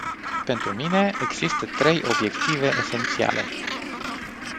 Pentru mine, există trei obiective esențiale.